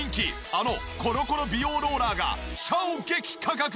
あのコロコロ美容ローラーが衝撃価格で登場！